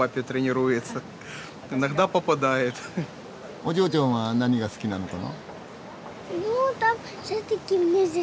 お嬢ちゃんは何が好きなのかな？